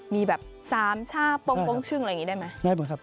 มีแบบสามชาบหอวงซึ่งอะไรอย่างนี้ได้ไหม